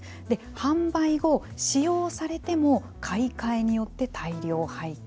販売後使用されても買い替えによって大量廃棄。